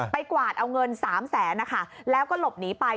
ไปกวาดเอาเงิน๓๐๐๐๐๐บาทแล้วก็หลบหนีไป